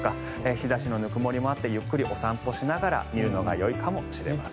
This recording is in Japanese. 日差しのぬくもりもあってゆっくりお散歩しながら見るのがいいのかもしれません。